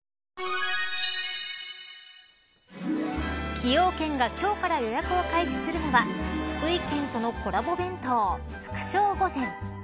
崎陽軒が今日から予約を開始するのは福井県とのコラボ弁当福笑御膳。